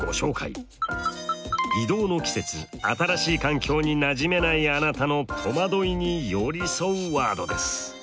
異動の季節新しい環境になじめないあなたの戸惑いによりそワードです。